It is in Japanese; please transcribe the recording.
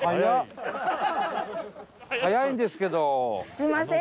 すいません。